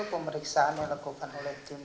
pemeriksaan dilakukan oleh tim